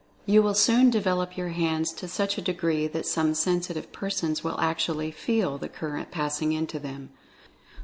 You will soon develop your hands to such a degree that some sensitive persons will actually "feel" the current passing into them.